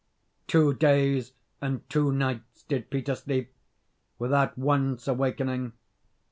Two days and two nights did Peter sleep, without once awakening.